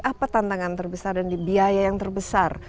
apa tantangan terbesar dan di biaya yang terbesar